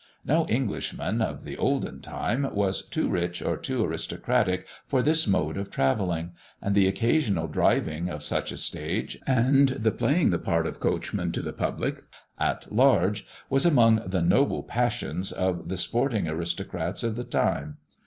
No Englishman, of the olden time, was too rich or too aristocratic for this mode of travelling; and the occasional driving of such a stage, and the playing the part of coachman to the public at large, was among the "noble passions" of the sporting aristocrats of the time.